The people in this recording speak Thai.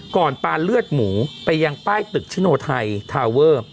ปาเลือดหมูไปยังป้ายตึกชิโนไทยทาเวอร์